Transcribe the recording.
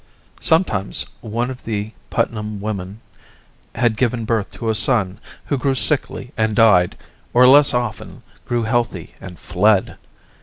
Sometimes one of the Putnam women had given birth to a son, who grew sickly and died, or less often, grew healthy and fled.